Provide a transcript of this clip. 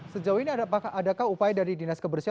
sejauh ini adakah upaya dari dinas kebersihan